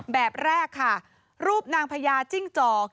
แบบแรกค่ะรูปนางพญาจิ้งจอก